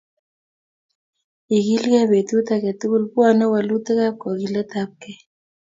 Ikilgei petut age tugul pwani walutikap kakiletapkei